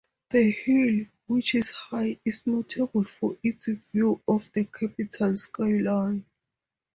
The hill, which is high, is notable for its views of the capital's skyline.